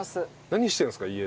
何してるんですか？